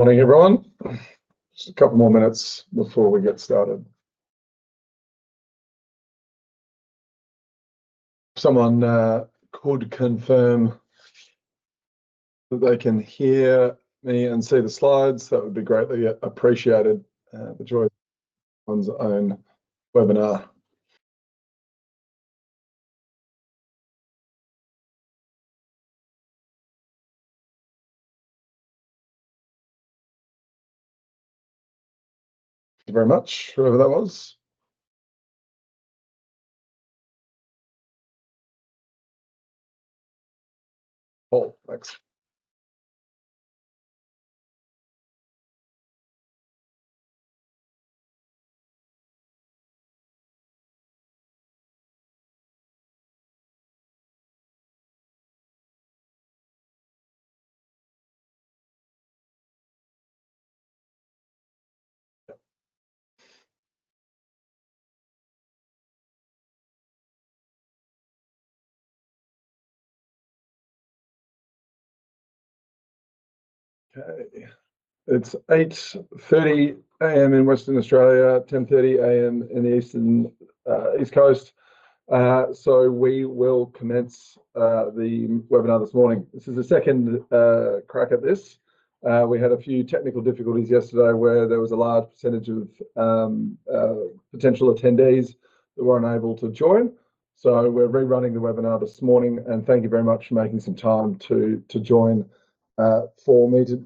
Morning, everyone. Just a couple more minutes before we get started. If someone could confirm that they can hear me and see the slides, that would be greatly appreciated. The joy of one's own webinar. Thank you very much, whoever that was. Paul. Thanks. It's 8:30 A.M. in Western Australia, 10:30 A.M. in the East Coast. We will commence the webinar this morning. This is the second crack at this. We had a few technical difficulties yesterday where there was a large percentage of potential attendees that weren't able to join. We're rerunning the webinar this morning. Thank you very much for making some time to join for me to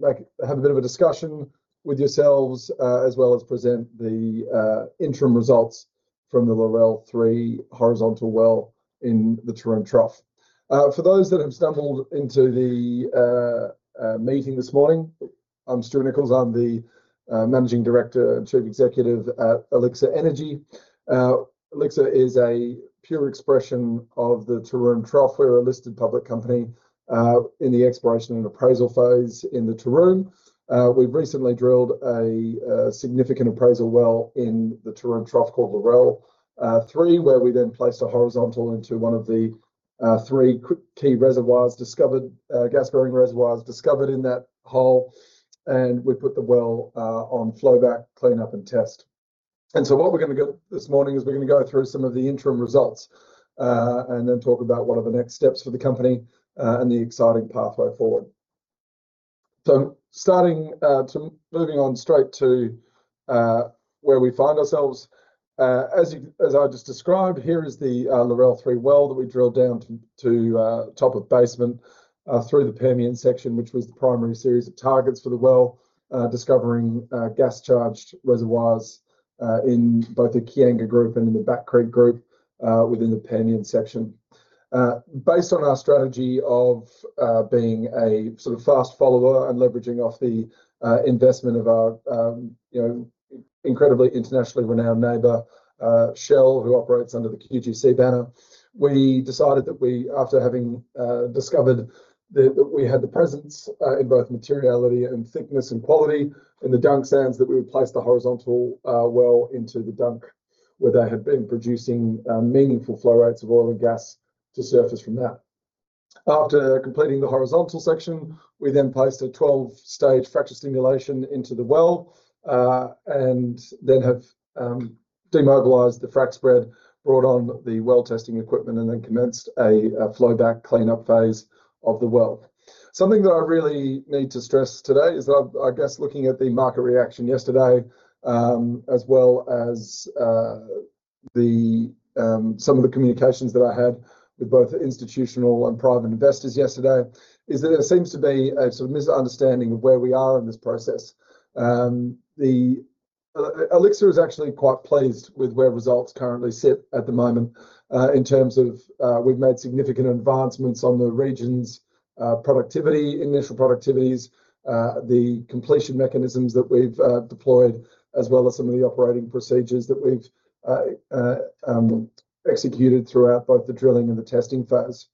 have a bit of a discussion with yourselves, as well as present the interim results from the Lorelle-3 horizontal well in the Taroom Trough. For those that have stumbled into the meeting this morning, I'm Stuart Nicholls. I'm the Managing Director and Chief Executive at Elixir Energy. Elixir is a pure expression of the Taroom Trough. We're a listed public company in the exploration and appraisal phase in the Taroom. We've recently drilled a significant appraisal well in the Taroom Trough called Lorelle-3, where we then placed a horizontal into one of the three key reservoirs discovered, gas-bearing reservoirs discovered in that hole, and we put the well on flowback cleanup and test. What we're going to go this morning is we're going to go through some of the interim results, and then talk about what are the next steps for the company, and the exciting pathway forward. Moving on straight to where we find ourselves. As I just described, here is the Lorelle-3 well that we drilled down to top of basement, through the Permian section, which was the primary series of targets for the well. Discovering gas-charged reservoirs, in both the Kianga Group and in the Back Creek Group, within the Permian section. Based on our strategy of being a sort of fast follower and leveraging off the investment of our incredibly internationally renowned neighbor, Shell, who operates under the QGC banner. We decided that after having discovered that we had the presence in both materiality and thickness and quality in the Dunk sands, that we would place the horizontal well into the Dunk where they had been producing meaningful flow rates of oil and gas to surface from that. After completing the horizontal section, we then placed a 12-stage fracture stimulation into the well, and then have demobilized the frac spread, brought on the well-testing equipment, and then commenced a flowback cleanup phase of the well. Something that I really need to stress today is that, I guess looking at the market reaction yesterday, as well as some of the communications that I had with both institutional and private investors yesterday, is that there seems to be a sort of misunderstanding of where we are in this process. Elixir is actually quite pleased with where results currently sit at the moment, in terms of we've made significant advancements on the region's productivity, initial productivities, the completion mechanisms that we've deployed, as well as some of the operating procedures that we've executed throughout both the drilling and the testing phase.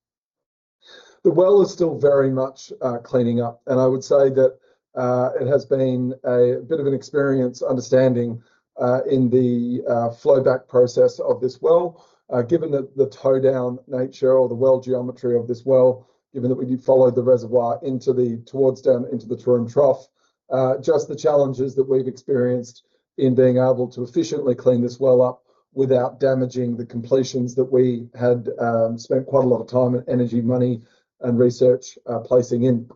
The well is still very much cleaning up, and I would say that it has been a bit of an experience understanding in the flowback process of this well. Given that the toe down nature or the well geometry of this well, given that we did follow the reservoir towards down into the Taroom Trough, just the challenges that we've experienced in being able to efficiently clean this well up without damaging the completions that we had spent quite a lot of time and energy, money and research placing in.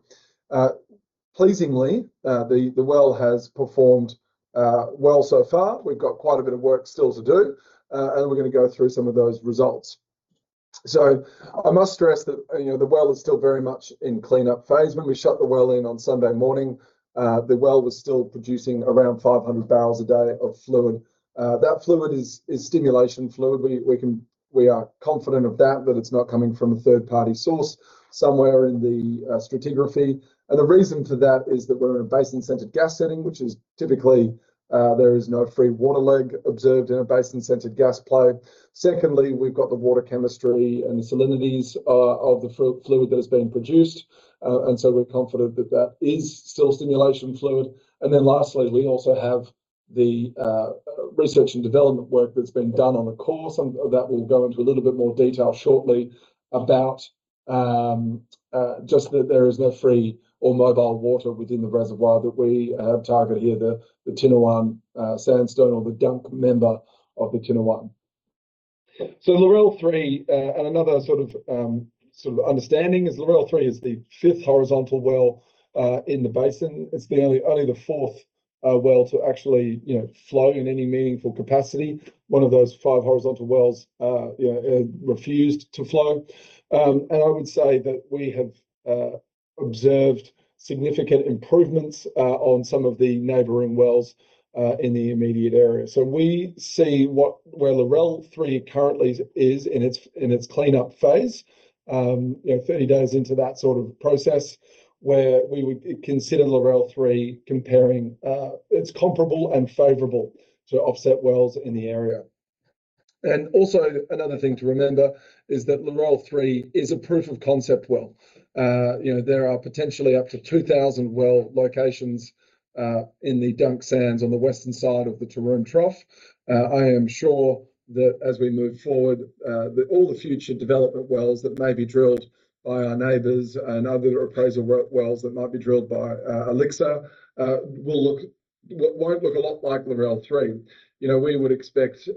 Pleasingly, the well has performed well so far. We've got quite a bit of work still to do. And we're going to go through some of those results. I must stress that the well is still very much in cleanup phase. When we shut the well in on Sunday morning, the well was still producing around 500 bpd of fluid. That fluid is stimulation fluid. We are confident of that it's not coming from a third-party source somewhere in the stratigraphy. And the reason for that is that we're in a basin-centered gas setting, which is typically, there is no free water leg observed in a basin-centered gas play. We've got the water chemistry and the salinities of the fluid that is being produced. And so we're confident that that is still stimulation fluid. Lastly, we also have The research and development work that's been done on the cores, and that we'll go into a little bit more detail shortly about just that there is no free or mobile water within the reservoir that we have targeted here, the Tinowon Sandstone or the Dunk member of the Tinowon. Lorelle-3, and another understanding is Lorelle-3 is the fifth horizontal well in the basin. It's only the fourth well to actually flow in any meaningful capacity. One of those five horizontal wells refused to flow. And I would say that we have observed significant improvements on some of the neighboring wells in the immediate area. So we see where Lorelle-3 currently is in its cleanup phase, 30 days into that sort of process, where we would consider Lorelle-3 comparable and favorable to offset wells in the area. Also, another thing to remember is that Lorelle-3 is a proof of concept well. There are potentially up to 2,000 well locations in the Dunk Sands on the western side of the Taroom Trough. I am sure that as we move forward, that all the future development wells that may be drilled by our neighbors and other appraisal wells that might be drilled by Elixir won't look a lot like Lorelle-3. We would expect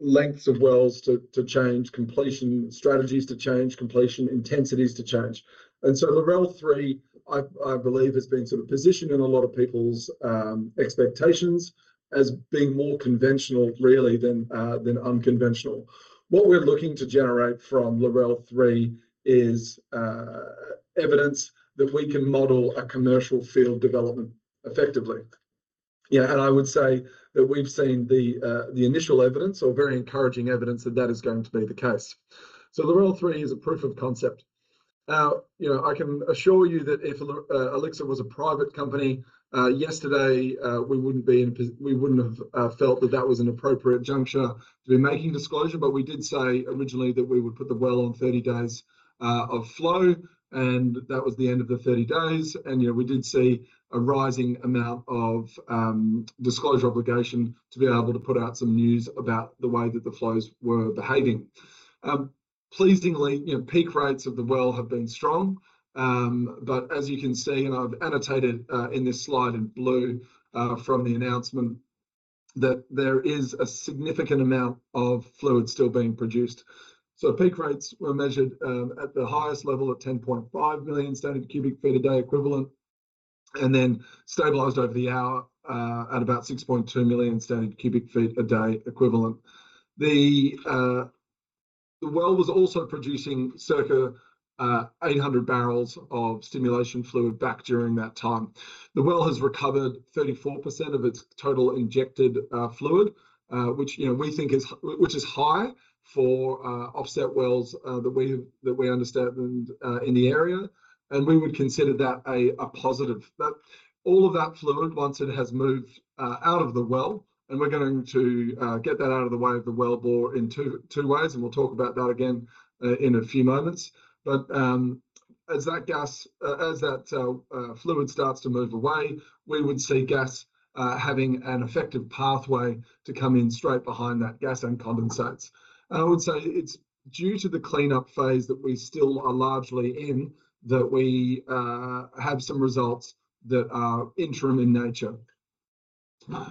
lengths of wells to change, completion strategies to change, completion intensities to change. And so Lorelle-3, I believe, has been positioned in a lot of people's expectations as being more conventional, really, than unconventional. What we're looking to generate from Lorelle-3 is evidence that we can model a commercial field development effectively. And I would say that we've seen the initial evidence or very encouraging evidence that that is going to be the case. Lorelle-3 is a proof of concept. I can assure you that if Elixir was a private company yesterday, we wouldn't have felt that that was an appropriate juncture to be making disclosure. We did say originally that we would put the well on 30 days of flow, and that was the end of the 30 days. We did see a rising amount of disclosure obligation to be able to put out some news about the way that the flows were behaving. Pleasingly, peak rates of the well have been strong. As you can see, and I've annotated in this slide in blue from the announcement that there is a significant amount of fluid still being produced. Peak rates were measured at the highest level of 10.5 MMscf/d equivalent, and then stabilized over the hour at about 6.2 MMscf/d equivalent. The well was also producing circa 800 bbl of stimulation fluid back during that time. The well has recovered 34% of its total injected fluid, which is high for offset wells that we understand in the area, and we would consider that a positive. All of that fluid, once it has moved out of the well, and we're going to get that out of the way of the wellbore in two ways, and we'll talk about that again in a few moments. As that fluid starts to move away, we would see gas having an effective pathway to come in straight behind that gas and condensates. I would say it's due to the cleanup phase that we still are largely in, that we have some results that are interim in nature.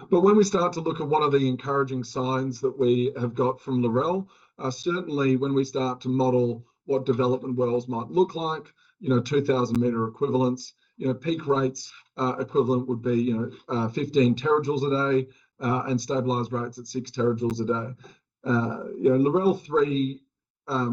When we start to look at what are the encouraging signs that we have got from Lorelle, certainly when we start to model what development wells might look like, 2,000 m equivalents. Peak rates equivalent would be 15 TJ/d and stabilized rates at 6 TJ/d. Lorelle-3,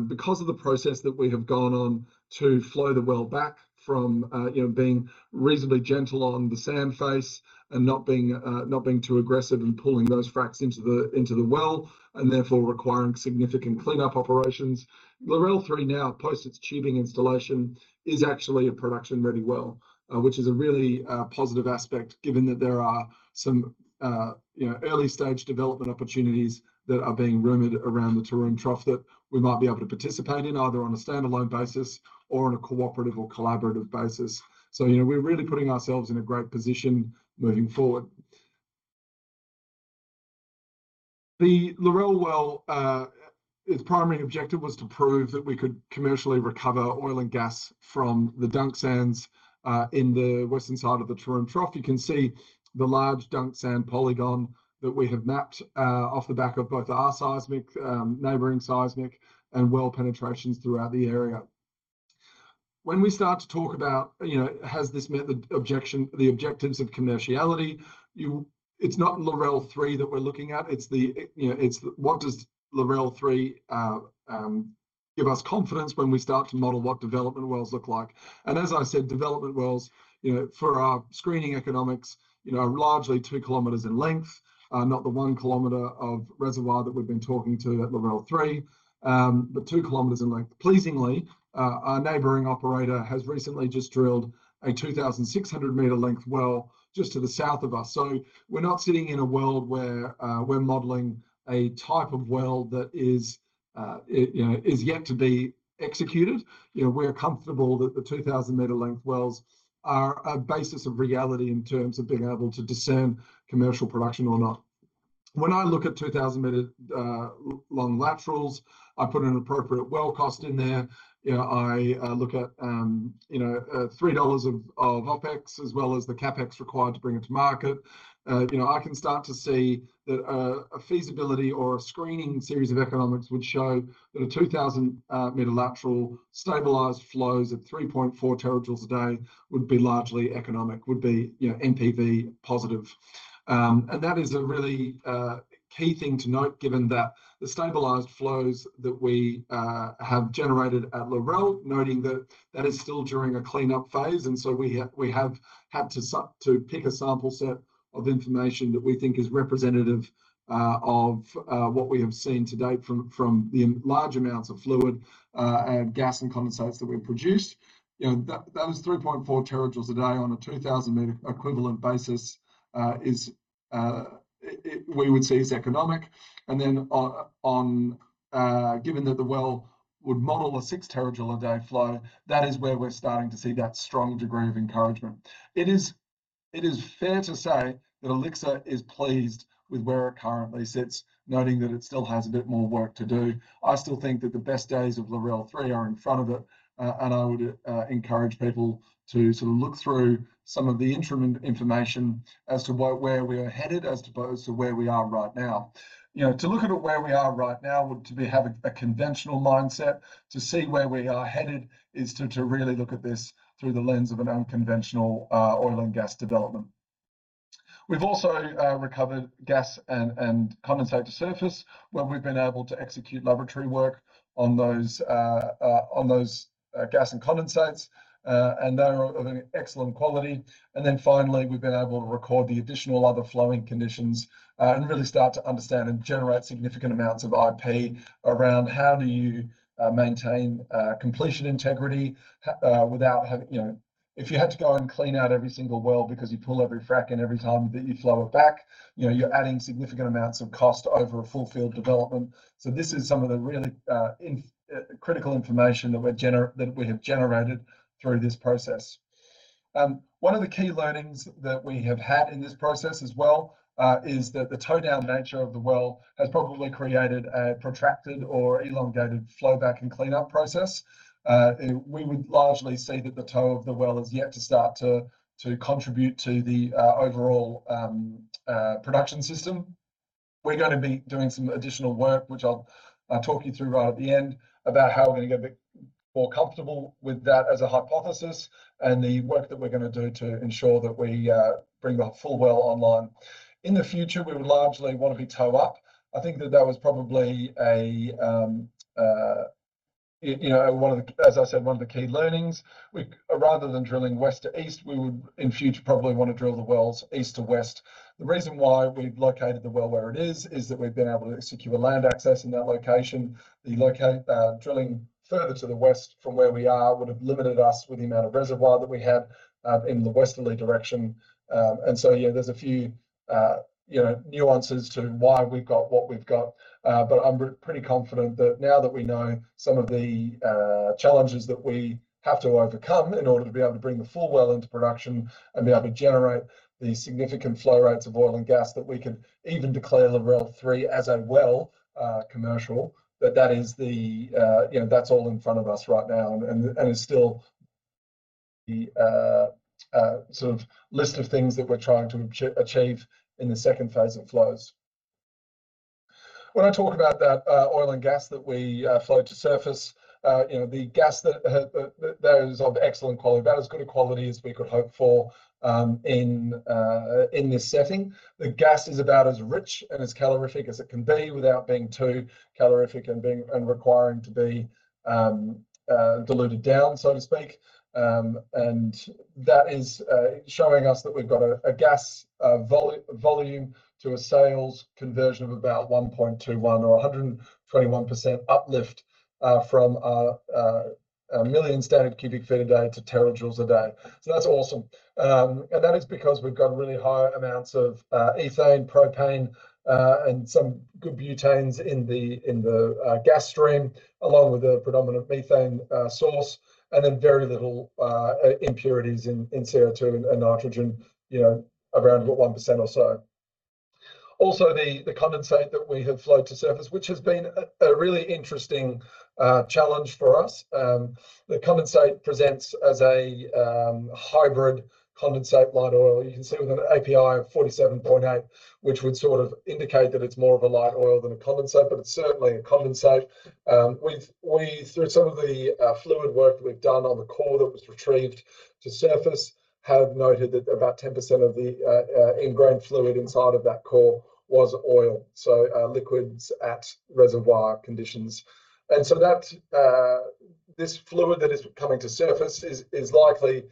because of the process that we have gone on to flow the well back from being reasonably gentle on the sand face and not being too aggressive in pulling those fracs into the well and therefore requiring significant cleanup operations. Lorelle-3 now, post its tubing installation, is actually a production-ready well, which is a really positive aspect given that there are some early-stage development opportunities that are being rumored around the Taroom Trough that we might be able to participate in, either on a standalone basis or on a cooperative or collaborative basis. We're really putting ourselves in a great position moving forward. The Lorelle well, its primary objective was to prove that we could commercially recover oil and gas from the Dunk Sands in the western side of the Taroom Trough. You can see the large Dunk sand polygon that we have mapped off the back of both our seismic, neighboring seismic, and well penetrations throughout the area. When we start to talk about has this met the objectives of commerciality, it's not Lorelle-3 that we're looking at, it's what does Lorelle-3 give us confidence when we start to model what development wells look like. As I said, development wells for our screening economics are largely 2 km in length, not the 1 km of reservoir that we've been talking to at Lorelle-3. 2 km in length. Pleasingly, our neighboring operator has recently just drilled a 2,600-m length well just to the south of us. We're not sitting in a world where we're modeling a type of well that is yet to be executed. We're comfortable that the 2,000-m length wells are a basis of reality in terms of being able to discern commercial production or not. When I look at 2,000-m long laterals, I put an appropriate well cost in there. I look at 3 dollars of OpEx as well as the CapEx required to bring it to market. I can start to see that a feasibility or a screening series of economics would show that a 2,000-m lateral stabilized flows at 3.4 TJ/d Would be largely economic, would be NPV positive. That is a really key thing to note, given that the stabilized flows that we have generated at Lorelle, noting that that is still during a cleanup phase, and so we have had to pick a sample set of information that we think is representative of what we have seen to date from the large amounts of fluid and gas and condensates that we've produced. Those 3.4 TJ/d on a 2,000-m equivalent basis we would see as economic. Given that the well would model a 6 TJ/d flow, that is where we're starting to see that strong degree of encouragement. It is fair to say that Elixir is pleased with where it currently sits, noting that it still has a bit more work to do. I still think that the best days of Lorelle-3 are in front of it, and I would encourage people to look through some of the interim information as to where we are headed as opposed to where we are right now. To look at it where we are right now would be to have a conventional mindset. To see where we are headed is to really look at this through the lens of an unconventional oil and gas development. We've also recovered gas and condensate to surface, where we've been able to execute laboratory work on those gas and condensates, and they're of an excellent quality. Finally, we've been able to record the additional other flowing conditions and really start to understand and generate significant amounts of IP around how do you maintain completion integrity without having If you had to go and clean out every single well because you pull every frack and every time that you flow it back, you're adding significant amounts of cost over a full field development. This is some of the really critical information that we have generated through this process. One of the key learnings that we have had in this process as well, is that the toe-down nature of the well has probably created a protracted or elongated flow-back and cleanup process. We would largely see that the toe of the well is yet to start to contribute to the overall production system. We're going to be doing some additional work, which I'll talk you through right at the end, about how we're going to get a bit more comfortable with that as a hypothesis and the work that we're going to do to ensure that we bring the full well online. In the future, we would largely want to be toe up. I think that that was probably, as I said, one of the key learnings. Rather than drilling west to east, we would in future probably want to drill the wells east to west. The reason why we've located the well where it is that we've been able to secure land access in that location. Drilling further to the west from where we are would've limited us with the amount of reservoir that we have in the westerly direction. There's a few nuances to why we've got what we've got. I'm pretty confident that now that we know some of the challenges that we have to overcome in order to be able to bring the full well into production and be able to generate the significant flow rates of oil and gas, that we can even declare Lorelle-3 as a well commercial. That's all in front of us right now and is still the list of things that we're trying to achieve in the second phase of flows. When I talk about that oil and gas that we flow to surface, the gas that is of excellent quality, about as good a quality as we could hope for in this setting. The gas is about as rich and as calorific as it can be without being too calorific and requiring to be diluted down, so to speak. That is showing us that we've got a gas volume to a sales conversion of about 1.21 or 121% uplift from a million standard cubic feet a day to terajoules a day. That's awesome. That is because we've got really high amounts of ethane, propane, and some good butanes in the gas stream, along with a predominant methane source, and then very little impurities in CO2 and nitrogen, around about 1% or so. Also, the condensate that we have flowed to surface, which has been a really interesting challenge for us. The condensate presents as a hybrid condensate light oil. You can see with an API of 47.8, which would indicate that it's more of a light oil than a condensate, but it's certainly a condensate. Through some of the fluid work that we've done on the core that was retrieved to surface, have noted that about 10% of the ingrained fluid inside of that core was oil, so liquids at reservoir conditions. This fluid that is coming to surface is likely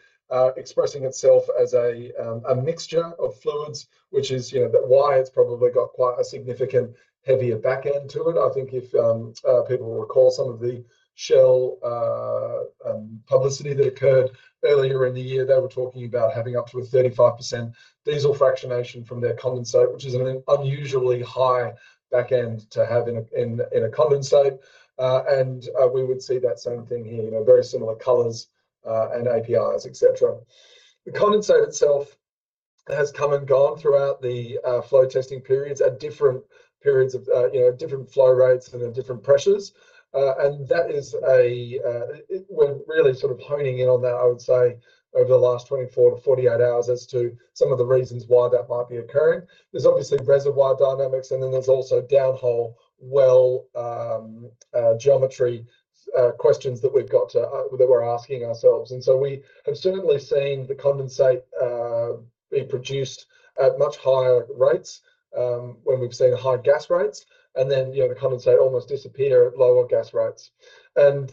expressing itself as a mixture of fluids, which is why it's probably got quite a significant heavier backend to it. I think if people recall some of the Shell publicity that occurred earlier in the year, they were talking about having up to a 35% diesel fractionation from their condensate, which is an unusually high backend to have in a condensate. We would see that same thing here, very similar colors, and APIs, et cetera. The condensate itself has come and gone throughout the flow testing periods at different periods of different flow rates and at different pressures. That is, we're really sort of honing in on that, I would say, over the last 24 to 48 hours as to some of the reasons why that might be occurring. There's obviously reservoir dynamics, and then there's also downhole well geometry questions that we're asking ourselves. We have certainly seen the condensate being produced at much higher rates, when we've seen high gas rates, and then the condensate almost disappear at lower gas rates. For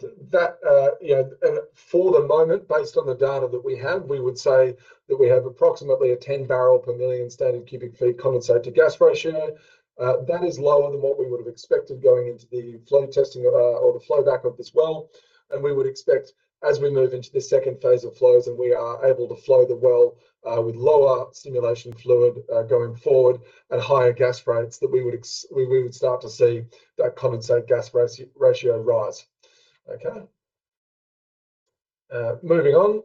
the moment, based on the data that we have, we would say that we have approximately a 10 bbl/MMscf condensate-to-gas ratio. That is lower than what we would've expected going into the flow testing or the flowback of this well. We would expect, as we move into the second phase of flows and we are able to flow the well with lower simulation fluid going forward at higher gas rates, that we would start to see that condensate-to-gas ratio rise. Okay. Moving on.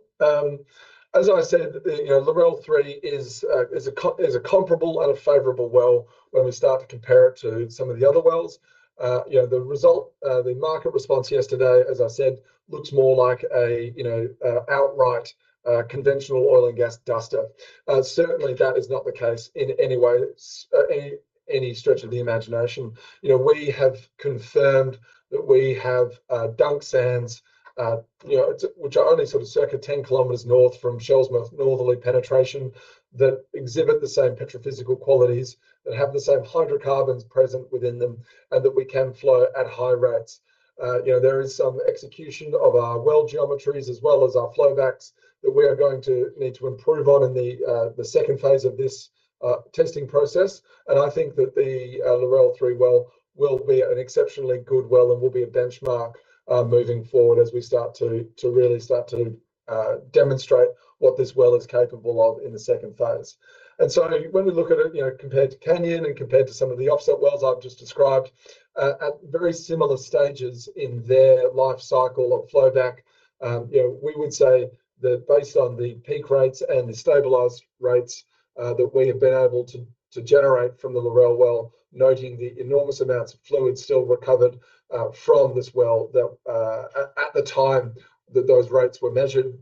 As I said, the Lorelle-3 is a comparable and a favorable well when we start to compare it to some of the other wells. The market response yesterday, as I said, looks more like a outright conventional oil and gas duster. Certainly, that is not the case in any way, any stretch of the imagination. We have confirmed that we have Dunk sands which are only sort of circa 10 km north from Shell's most northerly penetration, that exhibit the same petrophysical qualities, that have the same hydrocarbons present within them, and that we can flow at high rates. There is some execution of our well geometries as well as our flowbacks that we are going to need to improve on in the second phase of this testing process. I think that the Lorelle-3 well will be an exceptionally good well and will be a benchmark moving forward as we start to really start to demonstrate what this well is capable of in the second phase. When we look at it, compared to Canyon and compared to some of the offset wells I've just described, at very similar stages in their life cycle of flowback, we would say that based on the peak rates and the stabilized rates, that we have been able to generate from the Lorelle well, noting the enormous amounts of fluid still recovered from this well, that at the time that those rates were measured,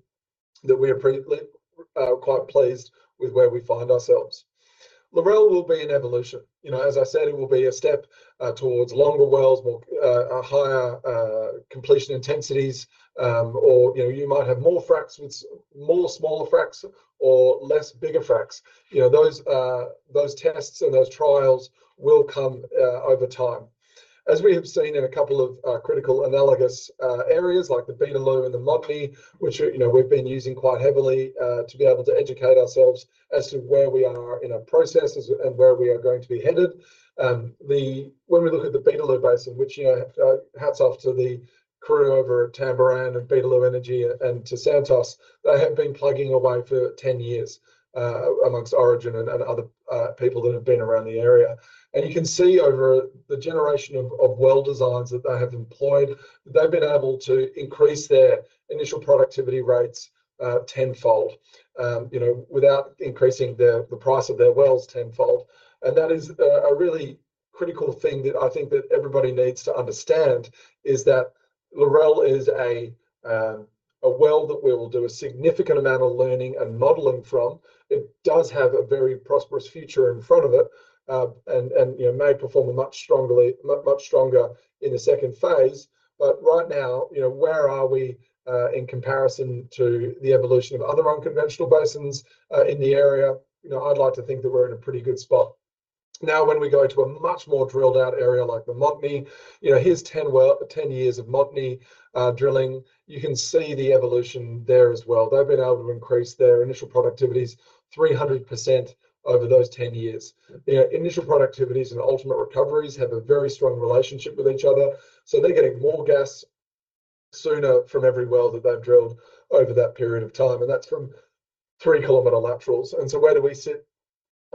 that we are quite pleased with where we find ourselves. Lorelle will be an evolution. As I said, it will be a step towards longer wells, higher completion intensities, or you might have more fracs with more smaller fracs or less bigger fracs. Those tests and those trials will come over time. We have seen in a couple of critical analogous areas like the Beetaloo and the Montney, which we've been using quite heavily to be able to educate ourselves as to where we are in our processes and where we are going to be headed. When we look at the Beetaloo Basin, hats off to the crew over at Tamboran and Beetaloo Energy and to Santos. They have been plugging away for 10 years, amongst Origin and other people that have been around the area. You can see over the generation of well designs that they have employed, they've been able to increase their initial productivity rates tenfold without increasing the price of their wells tenfold. That is a really critical thing that I think that everybody needs to understand is that Lorelle is a well that we will do a significant amount of learning and modeling from. It does have a very prosperous future in front of it, and may perform much stronger in the second phase. Right now, where are we in comparison to the evolution of other unconventional basins in the area? I'd like to think that we're in a pretty good spot. When we go to a much more drilled-out area like the Montney. Here's 10 years of Montney drilling. You can see the evolution there as well. They've been able to increase their initial productivities 300% over those 10 years. Initial productivities and ultimate recoveries have a very strong relationship with each other. They're getting more gas sooner from every well that they've drilled over that period of time, and that's from 3 km laterals. Where do we sit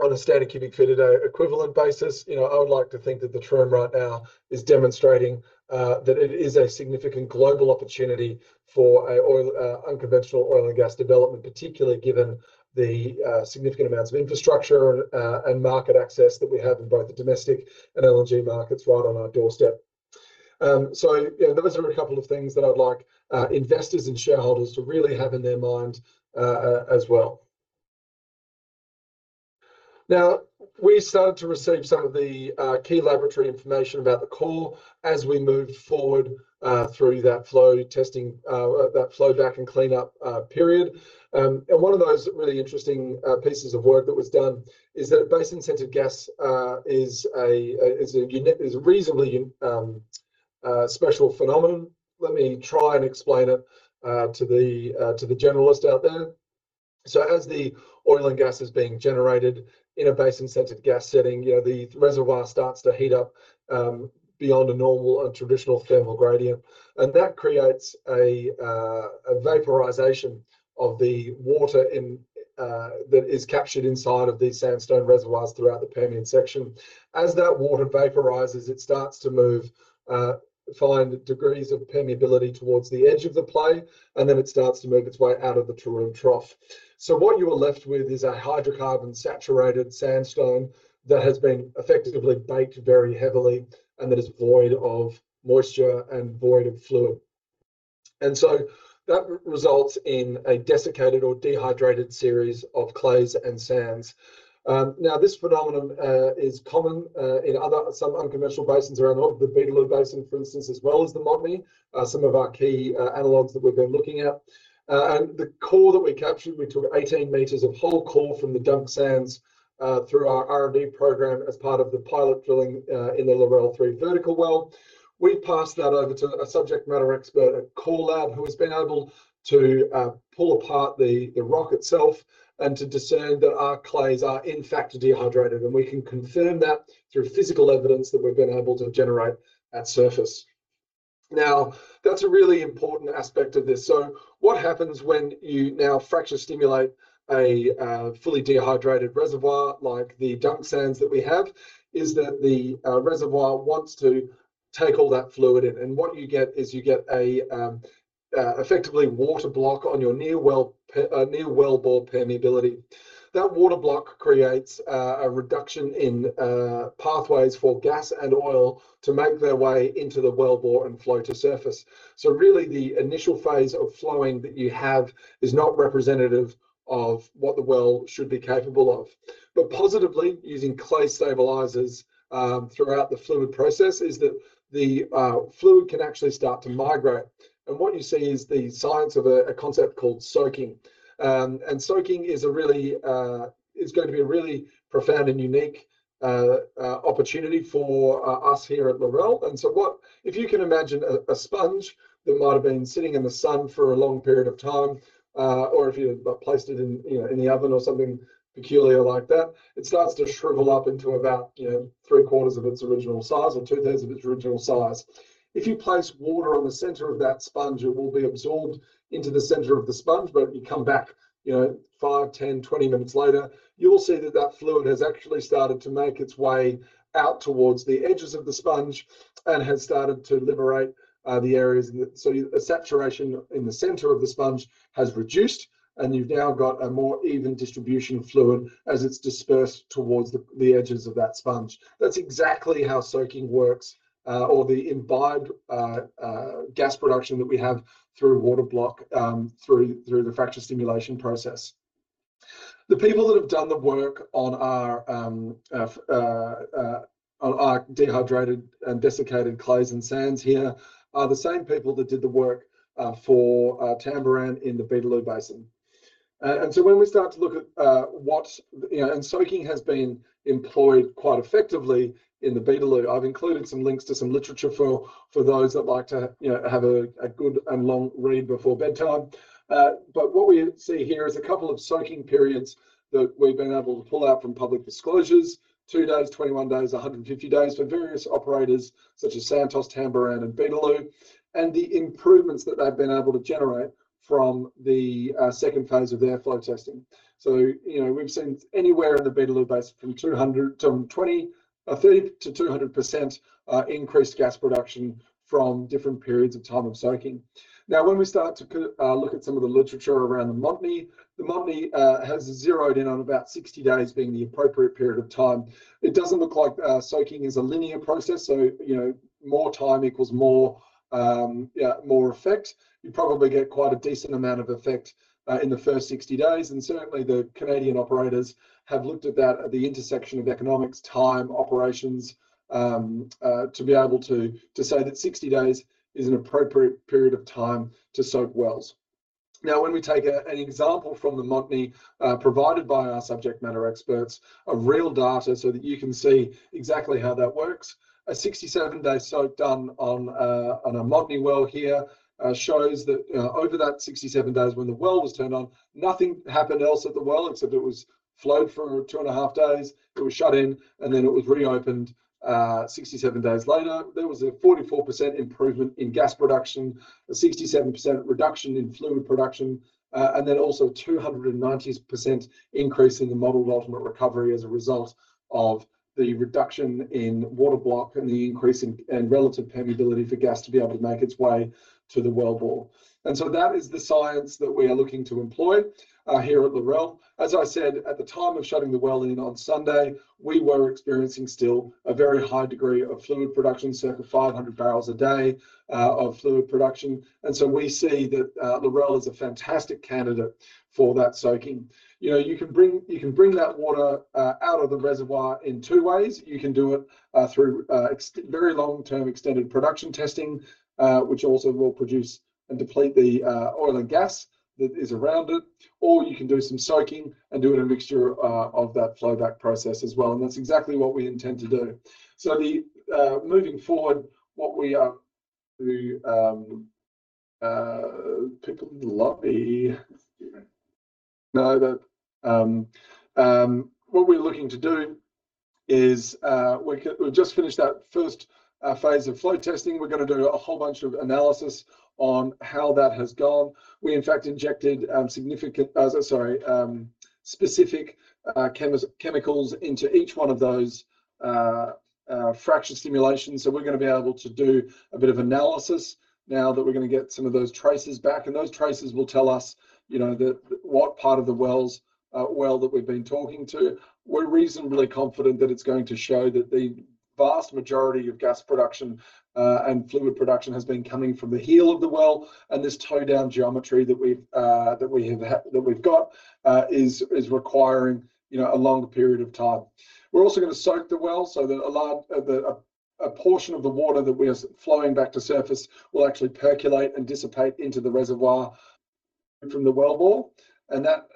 on a standard cubic foot a day equivalent basis? I would like to think that the term right now is demonstrating that it is a significant global opportunity for unconventional oil and gas development, particularly given the significant amounts of infrastructure and market access that we have in both the domestic and LNG markets right on our doorstep. Those are a couple of things that I'd like investors and shareholders to really have in their mind as well. Now, we started to receive some of the key laboratory information about the core as we moved forward through that flowback and cleanup period. One of those really interesting pieces of work that was done is that basin-centered gas is a reasonably special phenomenon. Let me try and explain it to the generalist out there. As the oil and gas is being generated in a basin-centered gas setting, the reservoir starts to heat up beyond a normal and traditional thermal gradient. That creates a vaporization of the water in That is captured inside of these sandstone reservoirs throughout the Permian section. As that water vaporizes, it starts to move, find degrees of permeability towards the edge of the play, and then it starts to move its way out of the Taroom Trough. What you are left with is a hydrocarbon-saturated sandstone that has been effectively baked very heavily and that is void of moisture and void of fluid. That results in a desiccated or dehydrated series of clays and sands. This phenomenon is common in some unconventional basins around the world, the Beetaloo Basin, for instance, as well as the Montney, some of our key analogs that we've been looking at. The core that we captured, we took 18 m of whole core from the Dunk Sands through our R&D program as part of the pilot drilling in the Lorelle-3 vertical well. We passed that over to a subject matter expert at Core Lab who has been able to pull apart the rock itself and to discern that our clays are in fact dehydrated, and we can confirm that through physical evidence that we've been able to generate at surface. That's a really important aspect of this. What happens when you now fracture stimulate a fully dehydrated reservoir like the Dunk Sands that we have, is that the reservoir wants to take all that fluid in. What you get is you get effectively a water block on your near wellbore permeability. That water block creates a reduction in pathways for gas and oil to make their way into the wellbore and flow to surface. Really the initial phase of flowing that you have is not representative of what the well should be capable of. Positively, using clay stabilizers throughout the fluid process is that the fluid can actually start to migrate. What you see is the science of a concept called soaking. Soaking is going to be a really profound and unique opportunity for us here at Lorelle. If you can imagine a sponge that might have been sitting in the sun for a long period of time, or if you had placed it in the oven or something peculiar like that, it starts to shrivel up into about three quarters of its original size or two thirds of its original size. If you place water on the center of that sponge, it will be absorbed into the center of the sponge. If you come back five, 10, 20 minutes later, you'll see that fluid has actually started to make its way out towards the edges of the sponge and has started to liberate the areas. Saturation in the center of the sponge has reduced, and you've now got a more even distribution of fluid as it's dispersed towards the edges of that sponge. That's exactly how soaking works or the imbibed gas production that we have through water block through the fracture stimulation process. The people that have done the work on our dehydrated and desiccated clays and sands here are the same people that did the work for Tamboran in the Beetaloo Basin. Soaking has been employed quite effectively in the Beetaloo. I've included some links to some literature for those that like to have a good and long read before bedtime. What we see here is a couple of soaking periods that we've been able to pull out from public disclosures. two days, 21 days, 150 days for various operators such as Santos, Tamboran, and Beetaloo, and the improvements that they've been able to generate from the second phase of their flow testing. We've seen anywhere in the Beetaloo Basin from 30%-200% increased gas production from different periods of time of soaking. When we start to look at some of the literature around the Montney, the Montney has zeroed in on about 60 days being the appropriate period of time. It doesn't look like soaking is a linear process, more time equals more effect. You probably get quite a decent amount of effect in the first 60 days, and certainly the Canadian operators have looked at that at the intersection of economics, time, operations, to be able to say that 60 days is an appropriate period of time to soak wells. When we take an example from the Montney, provided by our subject matter experts, of real data so that you can see exactly how that works. A 67-day soak done on a Montney well here shows that over that 67 days when the well was turned on, nothing happened else at the well except it was flowed for two and a half days. It was shut in, it was reopened 67 days later. There was a 44% improvement in gas production, a 67% reduction in fluid production, 290% increase in the modeled ultimate recovery as a result of the reduction in water block and the increase in relative permeability for gas to be able to make its way to the wellbore. That is the science that we are looking to employ here at Lorelle. As I said, at the time of shutting the well in on Sunday, we were experiencing still a very high degree of fluid production, circa 500 bpd of fluid production. We see that Lorelle is a fantastic candidate for that soaking. You can bring that water out of the reservoir in two ways. You can do it through very long-term extended production testing, which also will produce and deplete the oil and gas that is around it. You can do some soaking and do it in a mixture of that flowback process as well, that's exactly what we intend to do. Moving forward, what we are looking to do, we've just finished that first phase of flow testing. We're going to do a whole bunch of analysis on how that has gone. We, in fact, injected specific chemicals into each one of those fracture stimulations. We're going to be able to do a bit of analysis now that we're going to get some of those traces back, those traces will tell us what part of the well that we've been talking to. We're reasonably confident that it's going to show that the vast majority of gas production and fluid production has been coming from the heel of the well, this toe down geometry that we've got is requiring a longer period of time. We're also going to soak the well so that a portion of the water that we are flowing back to surface will actually percolate and dissipate into the reservoir from the wellbore. That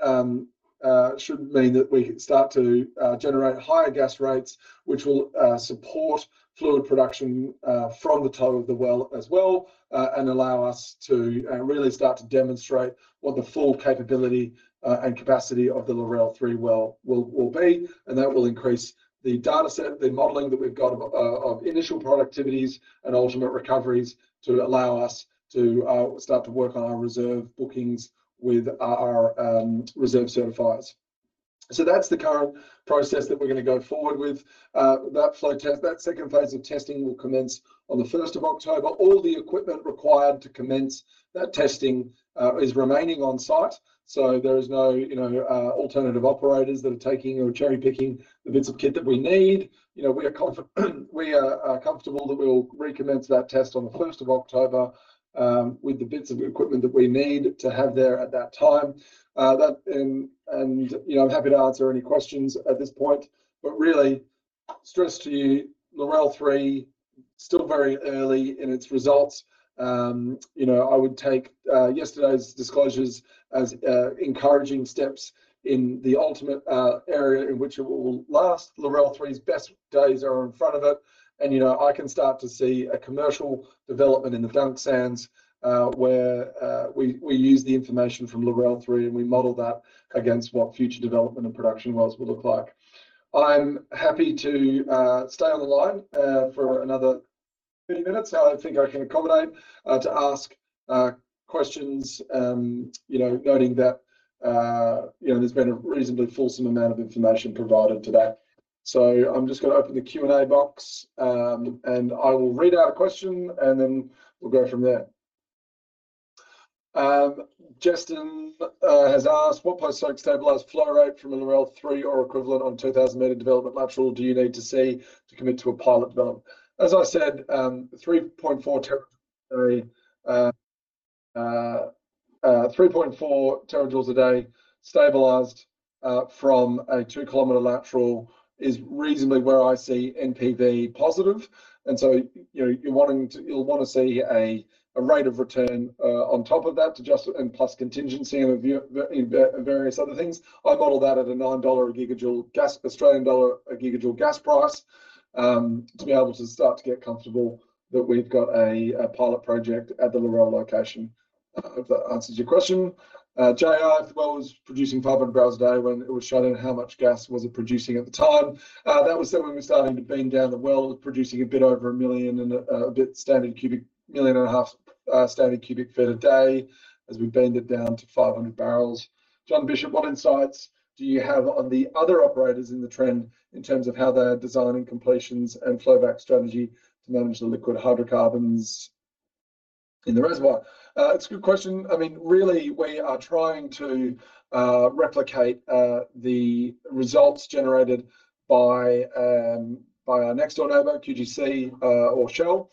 should mean that we can start to generate higher gas rates, which will support fluid production from the toe of the well as well, and allow us to really start to demonstrate what the full capability and capacity of the Lorelle-3 well will be. That will increase the data set, the modeling that we've got of initial productivities and ultimate recoveries to allow us to start to work on our reserve bookings with our reserve certifiers. That's the current process that we're going to go forward with. That flow test, that second phase of testing will commence on the 1st of October. All the equipment required to commence that testing is remaining on site. There is no alternative operators that are taking or cherry-picking the bits of kit that we need. We are comfortable that we'll recommence that test on the 1st of October with the bits of equipment that we need to have there at that time. I'm happy to answer any questions at this point, but really stress to you, Lorelle-3, still very early in its results. I would take yesterday's disclosures as encouraging steps in the ultimate area in which it will last. Lorelle-3's best days are in front of it, and I can start to see a commercial development in the Dunk Sands where we use the information from Lorelle-3, and we model that against what future development and production wells will look like. I'm happy to stay on the line for another 30 minutes. I think I can accommodate to ask questions, noting that there's been a reasonably fulsome amount of information provided today. I'm just going to open the Q&A box, and I will read out a question, and then we'll go from there. Justin has asked, "What post-soak stabilized flow rate from a Lorelle-3 or equivalent on 2,000-m development lateral do you need to see to commit to a pilot development?" As I said, 3.4 TJ/d stabilized from a 2 km lateral is reasonably where I see NPV positive. You'll want to see a rate of return on top of that to just, and plus contingency and various other things. I model that at an AUD 9/GJ gas, Australian dollar a gigajoule gas price to be able to start to get comfortable that we've got a pilot project at the Lorelle location. I hope that answers your question, J.R. If the well was producing 500 bpd when it was shut in, how much gas was it producing at the time?" That was when we were starting to bend down the well. It was producing a bit over a 1.5 MMscf/d as we bend it down to 500 bbl. John Bishop, "What insights do you have on the other operators in the trend in terms of how they are designing completions and flowback strategy to manage the liquid hydrocarbons in the reservoir?" It's a good question. Really, we are trying to replicate the results generated by our next door neighbor, QGC or Shell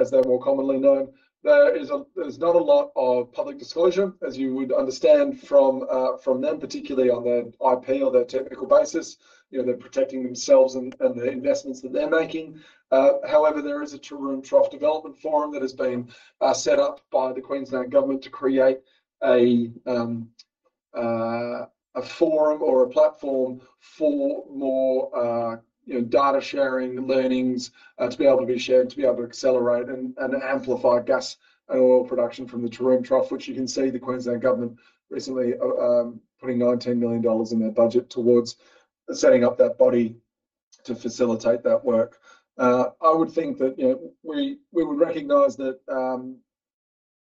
as they're more commonly known. There's not a lot of public disclosure, as you would understand from them, particularly on their IP or their technical basis. They're protecting themselves and the investments that they're making. There is a Taroom Trough Development forum that has been set up by the Queensland Government to create a forum or a platform for more data sharing, learnings to be able to be shared, to be able to accelerate and amplify gas and oil production from the Taroom Trough, which you can see the Queensland Government recently putting 19 million dollars in their budget towards setting up that body to facilitate that work. I would think that we would recognize that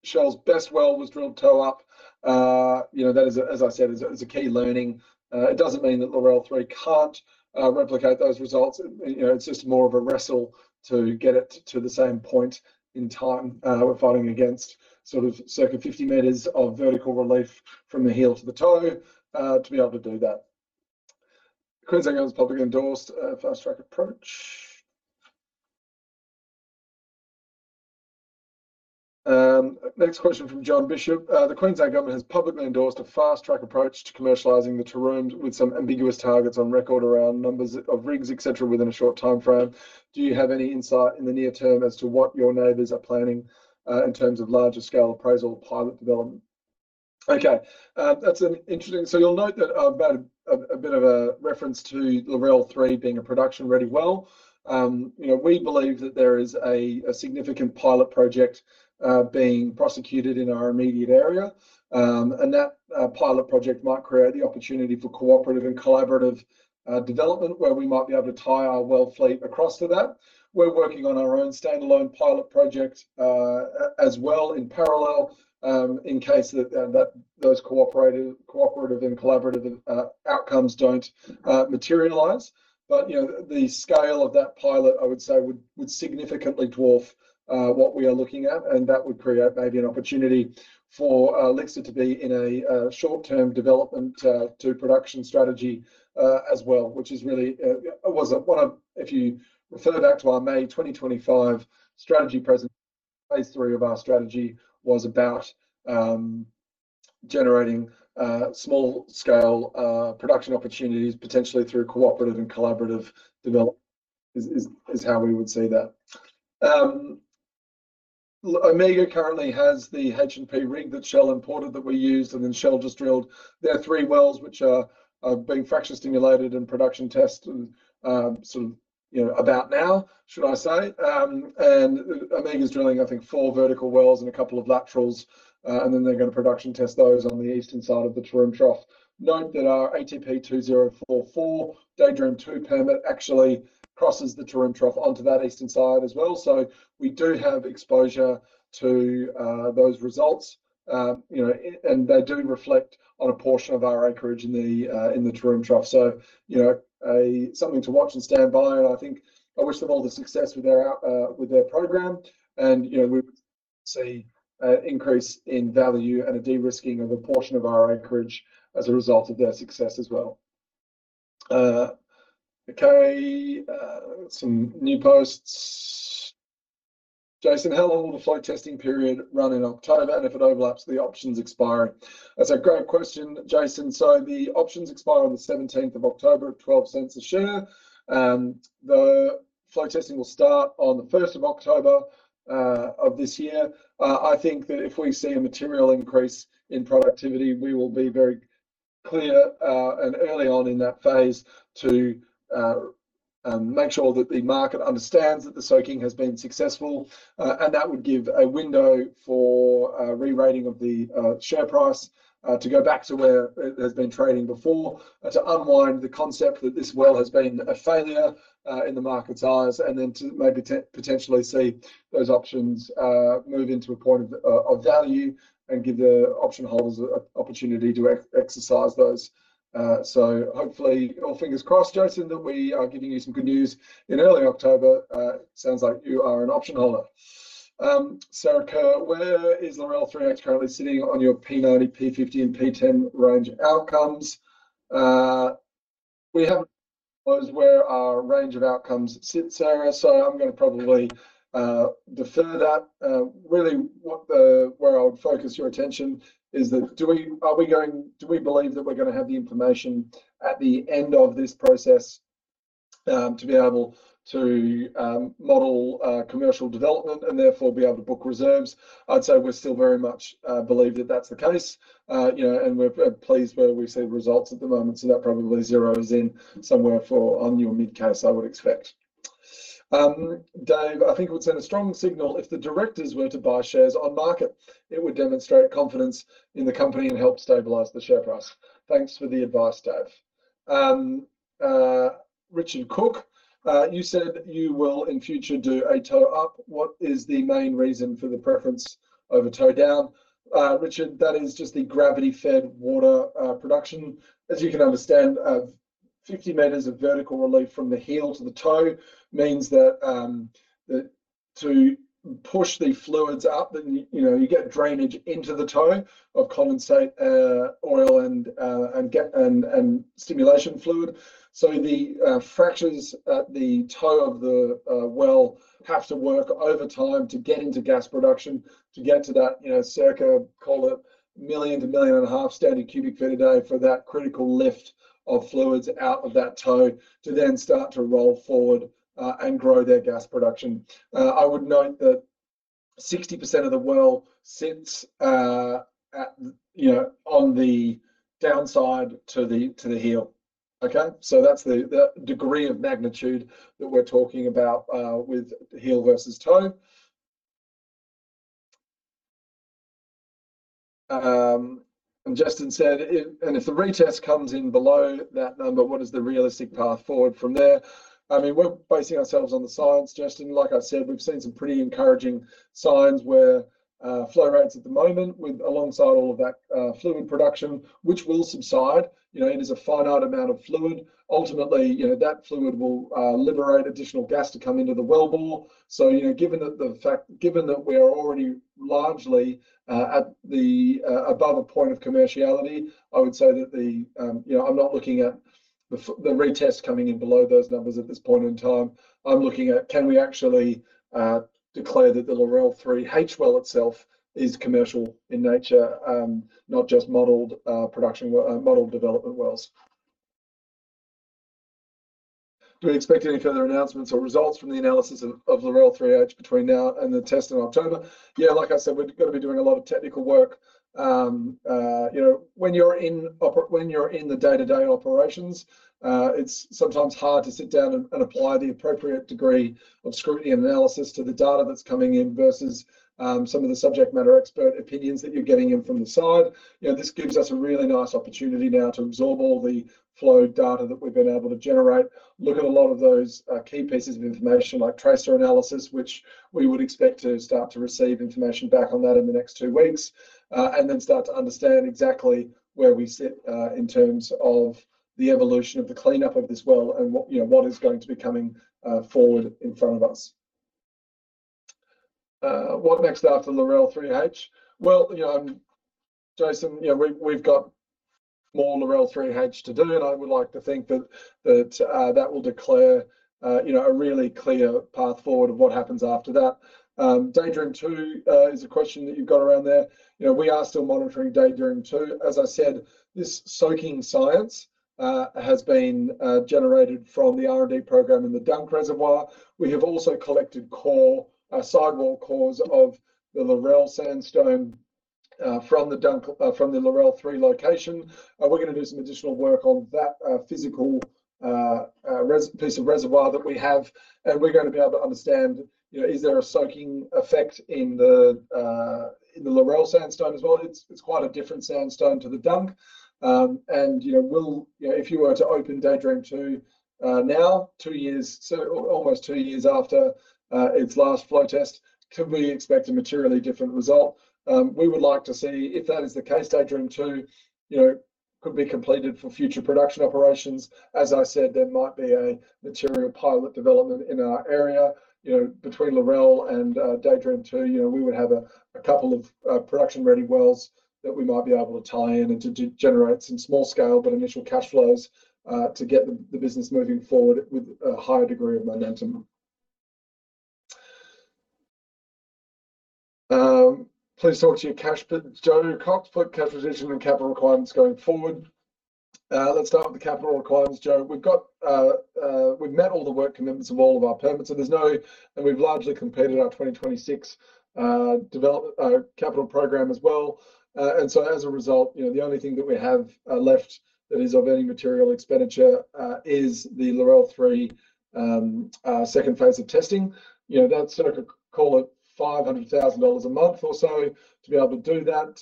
Shell's best well was drilled toe up. That is, as I said, is a key learning. It doesn't mean that Lorelle-3 can't replicate those results. It's just more of a wrestle to get it to the same point in time. We're fighting against circa 50 m of vertical relief from the heel to the toe to be able to do that. The Queensland Government has publicly endorsed a fast-track approach. Next question from John Bishop. The Queensland Government has publicly endorsed a fast-track approach to commercializing the Taroom with some ambiguous targets on record around numbers of rigs, et cetera, within a short timeframe. Do you have any insight in the near term as to what your neighbors are planning in terms of larger scale appraisal or pilot development? That's an interesting. You'll note that I've had a bit of a reference to Lorelle-3 being a production-ready well. We believe that there is a significant pilot project being prosecuted in our immediate area, and that pilot project might create the opportunity for cooperative and collaborative development, where we might be able to tie our well fleet across to that. We're working on our own standalone pilot project as well in parallel, in case those cooperative and collaborative outcomes don't materialize. The scale of that pilot, I would say, would significantly dwarf what we are looking at, and that would create maybe an opportunity for Elixir to be in a short-term development to production strategy as well. If you refer back to our May 2025 strategy presentation, Phase 3 of our strategy was about generating small scale production opportunities, potentially through cooperative and collaborative development, is how we would see that. Omega currently has the H&P rig that Shell imported that we used, and Shell just drilled their three wells, which are being fracture stimulated in production test about now, should I say. Omega's drilling, I think, four vertical wells and a couple of laterals, and they're going to production test those on the eastern side of the Taroom Trough. Note that our ATP 2044 Daydream-2 permit actually crosses the Taroom Trough onto that eastern side as well. We do have exposure to those results, and they do reflect on a portion of our acreage in the Taroom Trough. Something to watch and stand by. I think I wish them all the success with their program. We would see an increase in value and a de-risking of a portion of our acreage as a result of their success as well. Some new posts. Jason, "How long will the flow testing period run in October, and if it overlaps the options expiry?" That's a great question, Jason. The options expire on the 17th of October at 0.12 a share. The flow testing will start on the 1st of October of this year. I think that if we see a material increase in productivity, we will be very clear and early on in that phase to make sure that the market understands that the soaking has been successful. That would give a window for a re-rating of the share price to go back to where it has been trading before, to unwind the concept that this well has been a failure in the market's eyes, and then to maybe potentially see those options move into a point of value and give the option holders an opportunity to exercise those. Hopefully, all fingers crossed, Jason, that we are giving you some good news in early October. Sounds like you are an option holder. Sarah Kerr, "Where is Lorelle-3X currently sitting on your P90, P50, and P10 range outcomes?" We haven't where our range of outcomes sit, Sarah, so I'm going to probably defer that. Really where I would focus your attention is that do we believe that we're going to have the information at the end of this process to be able to model commercial development and therefore be able to book reserves? I'd say we still very much believe that that's the case, and we're pleased where we see results at the moment. That probably zeros in somewhere for on your mid-case, I would expect. Dave, "I think it would send a strong signal if the directors were to buy shares on market. It would demonstrate confidence in the company and help stabilize the share price." Thanks for the advice, Dave. Richard Cook, "You said you will in future do a toe up. What is the main reason for the preference over toe down?" Richard, that is just the gravity-fed water production. As you can understand, 50 m of vertical relief from the heel to the toe means that to push the fluids up, you get drainage into the toe of condensate oil and stimulation fluid. The fractures at the toe of the well have to work overtime to get into gas production to get to that circa, call it 1 million-1.5 million scf/d for that critical lift of fluids out of that toe to then start to roll forward and grow their gas production. I would note that 60% of the well sits on the downside to the heel. Okay? That's the degree of magnitude that we're talking about with heel versus toe. Justin said, "And if the retest comes in below that number, what is the realistic path forward from there?" We're basing ourselves on the science, Justin. Like I said, we've seen some pretty encouraging signs where flow rates at the moment alongside all of that fluid production, which will subside. It is a finite amount of fluid. Ultimately, that fluid will liberate additional gas to come into the wellbore. Given that we are already largely above a point of commerciality, I would say that I'm not looking at the retest coming in below those numbers at this point in time. I'm looking at can we actually declare that the Lorelle-3H well itself is commercial in nature, not just modeled development wells. Do we expect any further announcements or results from the analysis of the Lorelle-3H between now and the test in October? Yeah, like I said, we're going to be doing a lot of technical work. When you're in the day-to-day operations, it's sometimes hard to sit down and apply the appropriate degree of scrutiny analysis to the data that's coming in versus some of the subject matter expert opinions that you're getting in from the side. This gives us a really nice opportunity now to absorb all the flow data that we've been able to generate, look at a lot of those key pieces of information like tracer analysis, which we would expect to start to receive information back on that in the next two weeks. Then start to understand exactly where we sit in terms of the evolution of the cleanup of this well and what is going to be coming forward in front of us. What next after Lorelle-3H? Well, Jason, we've got more Lorelle-3H to do. I would like to think that that will declare a really clear path forward of what happens after that. Daydream-2 is a question that you've got around there. We are still monitoring Daydream-2. As I said, this soaking science, has been generated from the R&D program in the Dunk Reservoir. We have also collected sidewall cores of the Lorelle Sandstone from the Lorelle-3 location. We're going to do some additional work on that physical piece of reservoir that we have, and we're going to be able to understand, is there a soaking effect in the Lorelle Sandstone as well? It's quite a different sandstone to the Dunk. If you were to open Daydream-2 now, almost two years after its last flow test, could we expect a materially different result? We would like to see if that is the case, Daydream-2 could be completed for future production operations. As I said, there might be a material pilot development in our area. Between Lorelle and Daydream-2, we would have a couple of production-ready wells that we might be able to tie in and to generate some small scale, but initial cash flows, to get the business moving forward with a higher degree of momentum. Pleased to talk to you, Jo Cox. "Put capitalization and capital requirements going forward." Let's start with the capital requirements, Jo. We've met all the work commitments of all of our permits, and we've largely completed our 2026 capital program as well. As a result, the only thing that we have left that is of any material expenditure, is the Lorelle-3 second phase of testing. That's, call it 500,000 dollars a month or so to be able to do that.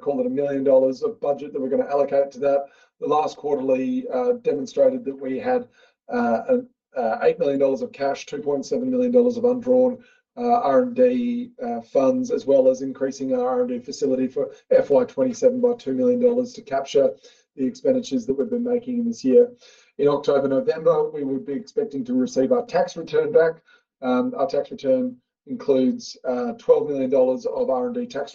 Call it 1 million dollars of budget that we're going to allocate to that. The last quarterly demonstrated that we had 8 million dollars of cash, 2.7 million dollars of undrawn R&D funds, as well as increasing our R&D facility for FY 2027 by 2 million dollars to capture the expenditures that we've been making in this year. In October, November, we would be expecting to receive our tax return back. Our tax return includes, 12 million dollars of R&D tax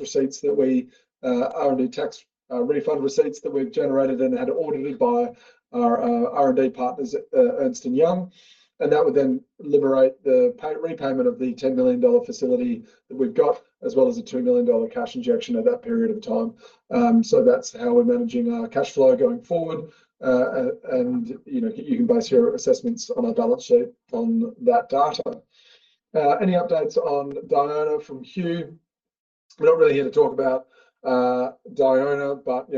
refund receipts that we've generated and had audited by our R&D partners at Ernst & Young. That would then liberate the repayment of the 10 million dollar facility that we've got, as well as a 2 million dollar cash injection at that period of time. So that's how we're managing our cash flow going forward. You can base your assessments on our balance sheet on that data. Any updates on Diona from Hugh? We're not really here to talk about Diona, but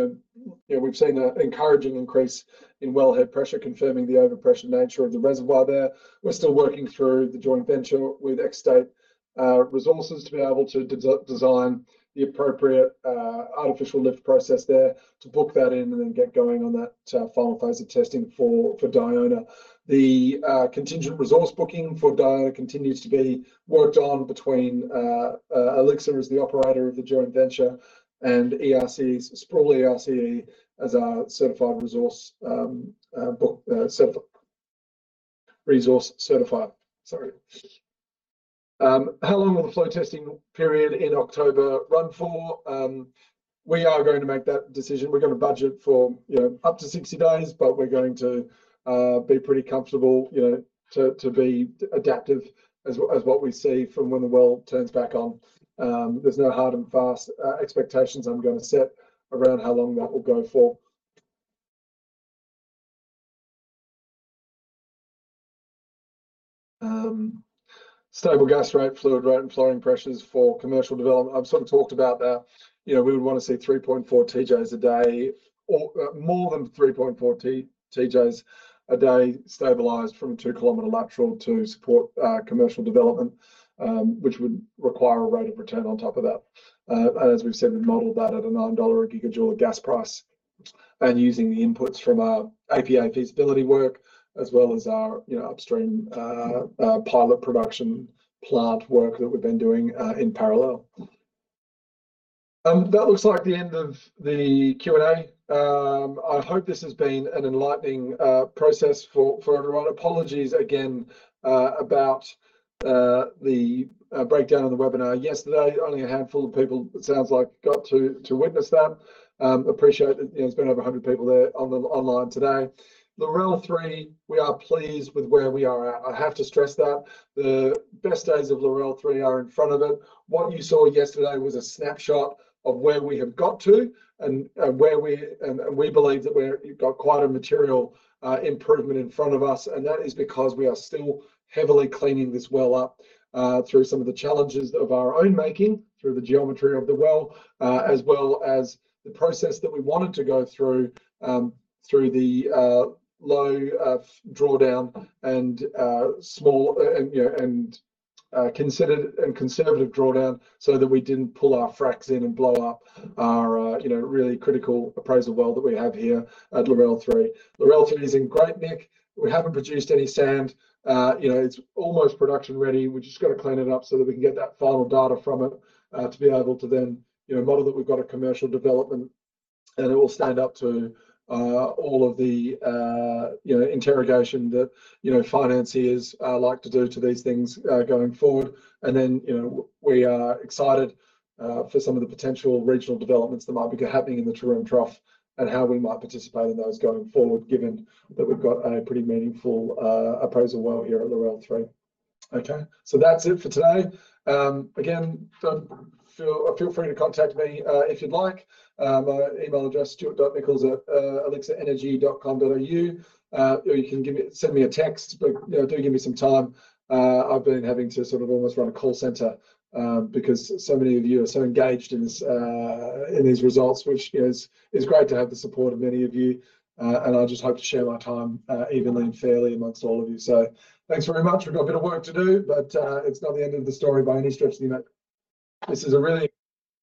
we've seen an encouraging increase in wellhead pressure confirming the overpressure nature of the reservoir there. We're still working through the joint venture with Xstate Resources to be able to design the appropriate artificial lift process there to book that in and then get going on that final phase of testing for Diona. The contingent resource booking for Diona continues to be worked on between Elixir as the operator of the joint venture and Sproule RCE as our resource certifier. Sorry. How long will the flow testing period in October run for? We are going to make that decision. We're going to budget for up to 60 days, but we're going to be pretty comfortable to be adaptive as what we see from when the well turns back on. There's no hard and fast expectations I'm going to set around how long that will go for. Stable gas rate, fluid rate, and flowing pressures for commercial development. I've sort of talked about that. We would want to see 3.4 TJ/d or more than 3.4 TJ/d stabilized from a 2-km lateral to support commercial development, which would require a rate of return on top of that. As we've said, we've modeled that at a 9 dollar/GJ gas price and using the inputs from our APA feasibility work as well as our upstream pilot production plant work that we've been doing in parallel. That looks like the end of the Q&A. I hope this has been an enlightening process for everyone. Apologies again, about the breakdown of the webinar yesterday. Only a handful of people, it sounds like, got to witness that. Appreciate that there's been over 100 people there online today. Lorelle-3, we are pleased with where we are at. I have to stress that the best days of Lorelle-3 are in front of it. What you saw yesterday was a snapshot of where we have got to and we believe that we've got quite a material improvement in front of us. That is because we are still heavily cleaning this well up, through some of the challenges of our own making, through the geometry of the well, as well as the process that we wanted to go through the low drawdown and conservative drawdown so that we didn't pull our fracs in and blow up our really critical appraisal well that we have here at Lorelle-3. Lorelle-3 is in great nick. We haven't produced any sand. It's almost production ready. We've just got to clean it up so that we can get that final data from it, to be able to then model that we've got a commercial development and it will stand up to all of the interrogation that financiers like to do to these things going forward. We are excited for some of the potential regional developments that might be happening in the Taroom Trough and how we might participate in those going forward, given that we've got a pretty meaningful appraisal well here at Lorelle-3. That's it for today. Again, feel free to contact me if you'd like. My email address: stuart.nicholls@elixirenergy.com.au. You can send me a text, but do give me some time. I've been having to sort of almost run a call center, because so many of you are so engaged in these results, which is great to have the support of many of you. I just hope to share my time evenly and fairly amongst all of you. Thanks very much. We've got a bit of work to do, but it's not the end of the story by any stretch of the imagination. This is a really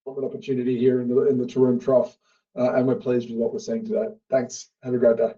important opportunity here in the Taroom Trough, and we're pleased with what we're seeing today. Thanks. Have a great day.